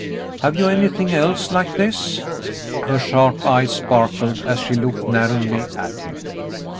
"Have you anything else — like this ?" Her sharp eyes sparkled as she looked narrowly at him.